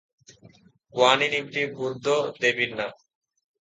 Guanine একটি বৌদ্ধ দেবীর নাম।